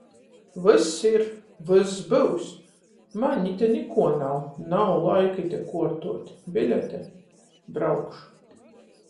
Vyss ir. Vyss byus. Maņ ite nikuo nav. Nav laika ite kuortuot. Bilete. Braukšu.